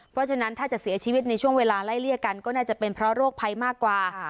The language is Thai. เพราะฉะนั้นถ้าจะเสียชีวิตในช่วงเวลาไล่เลี่ยกันก็น่าจะเป็นเพราะโรคภัยมากกว่า